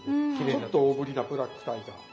ちょっと大ぶりなブラックタイガー。